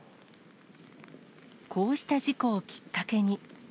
こうした事故をきっかけに。